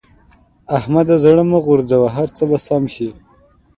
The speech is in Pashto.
احمده! زړه مه غورځوه؛ هر څه به سم شي.